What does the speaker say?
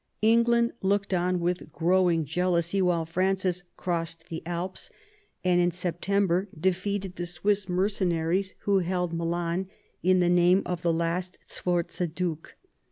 England looked on with growing jealousy while Francis crossed the Alps and in September defeated the Swiss mercenaries who held Milan in the name of the last Sforza Duke.